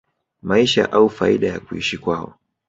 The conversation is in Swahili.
maisha au faida ya kuishi kwao